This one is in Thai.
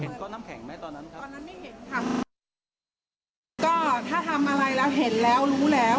เห็นต้อน้ำแข็งไหมตอนนั้นค่ะกอนนั้นไม่เห็นก็ถ้าทำอะไรเราเห็นแล้วรู้แล้ว